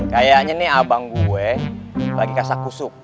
kayaknya nih abang gue lagi kasak kusuk